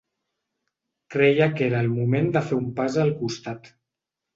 Creia que era el moment de fer un pas al costat.